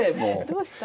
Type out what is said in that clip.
どうした？